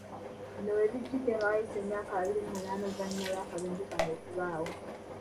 Bino we bijjdde nga wayise emyaka abiri mu munaana oluvannyuma lw'akabenje kano okubaawo.